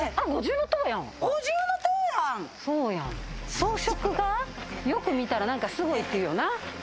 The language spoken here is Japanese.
装飾がよく見たらすごいって言うよな。